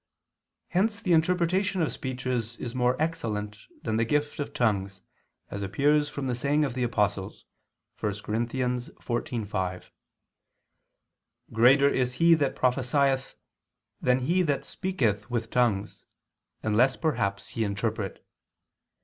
Hence the interpretation of speeches is more excellent than the gift of tongues, as appears from the saying of the Apostle (1 Cor. 14:5), "Greater is he that prophesieth than he that speaketh with tongues; unless perhaps he interpret."